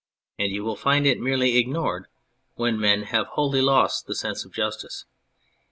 And you will find it merely ignored when men have wholly lost the sense of justice.